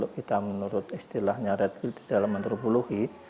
kita menurut istilahnya red build di dalam antropologi